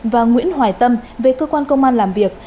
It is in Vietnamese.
và nguyễn hoài tâm về cơ quan công an làm việc